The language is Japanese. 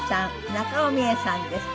中尾ミエさんです。